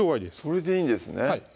それでいいんですね